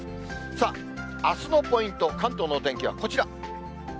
さあ、あすのポイント、関東のお天気はこちら。